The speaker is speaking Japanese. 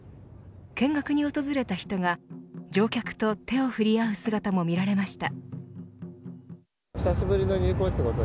見学に訪れた人が乗客と手を振り合う姿も見られました。